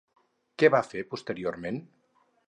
Què va fer posteriorment?